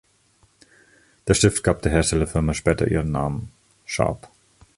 Der Stift gab der Herstellerfirma später ihren Namen: Sharp.